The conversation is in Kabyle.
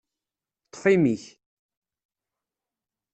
Ṭṭef imi-k!